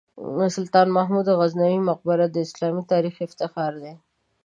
د سلطان محمود غزنوي مقبره د اسلامي تاریخ افتخار دی.